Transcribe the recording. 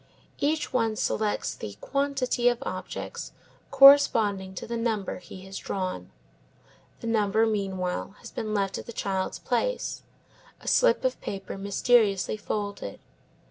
Each one selects the quantity of objects corresponding to the number he has drawn. The number, meanwhile, has been left at the child's place, a slip of paper mysteriously folded.